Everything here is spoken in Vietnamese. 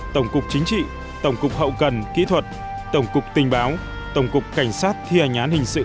tổng cục chính trị tổng cục hậu cần kỹ thuật tổng cục tình báo tổng cục cảnh sát thi hành án hình sự